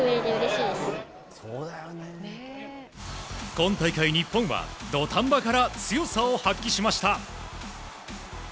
今大会、日本は土壇場から強さを発揮しました。